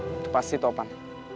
itu pasti topan